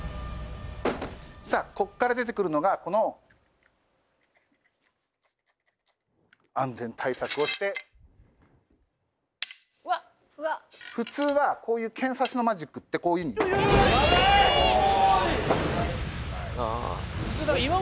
さあここから出てくるのがこの安全対策をして普通はこういう剣刺しのマジックってこういうふうに。